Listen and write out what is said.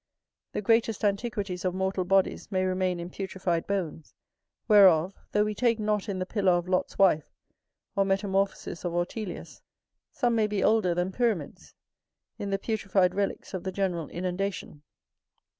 The greatest antiquities of mortal bodies may remain in putrefied bones, whereof, though we take not in the pillar of Lot's wife, or metamorphosis of Ortelius, some may be older than pyramids, in the putrefied relicks of the general inundation.